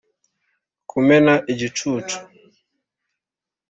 kumena igicucu